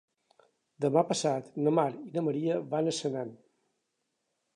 Demà passat na Mar i na Maria van a Senan.